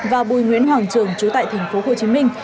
và bùi nguyễn hoàng trường trú tại tp hồ chí minh